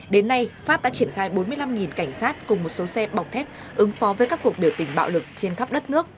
đến nay pháp đã triển khai bốn mươi năm cảnh sát cùng một số xe bọc thép ứng phó với các cuộc biểu tình bạo lực trên khắp đất nước